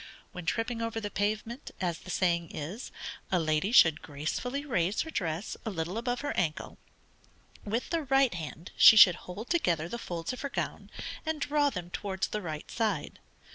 When tripping over the pavement, (as the saying is) a lady should gracefully raise her dress a little above her ancle. With the right hand she should hold together the folds of her gown, and draw them towards the right side.